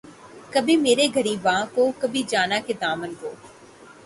کبھی میرے گریباں کو‘ کبھی جاناں کے دامن کو